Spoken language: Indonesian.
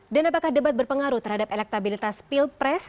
dan apakah debat berpengaruh terhadap elektabilitas pilpres